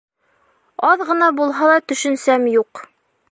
Аҙ ғына булһа ла төшөнсәм юҡ